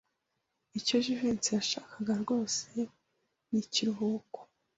Icyo Jivency yashakaga rwose ni ikiruhuko.